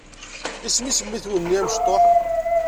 Isem-is mmi-twen-nni amectuḥ?